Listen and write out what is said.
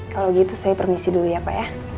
kalau gitu saya permisi dulu ya pak ya